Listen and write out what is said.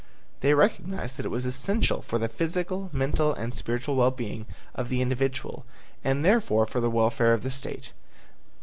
They recognized that it was essential for the physical, mental and spiritual well being of the individual and, therefore, for the welfare of the State.